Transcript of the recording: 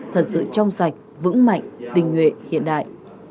thật sự trong sạch vững mạnh tình nguyện hiện đại